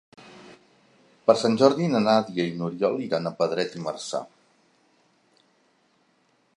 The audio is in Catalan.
Per Sant Jordi na Nàdia i n'Oriol iran a Pedret i Marzà.